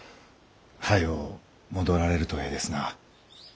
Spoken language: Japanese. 早う戻られるとええですな。